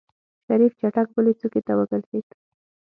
شريف چټک بلې کوڅې ته وګرځېد.